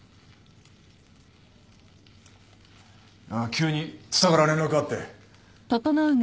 急に蔦から連絡があって。